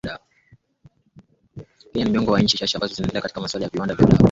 kenya ni miongoni mwa nchi chache ambazo zinaendelea katika masuala ya viwanda vya dawa